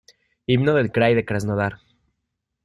Himno del Krai de Krasnodar